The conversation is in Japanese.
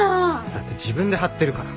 だって自分で貼ってるから。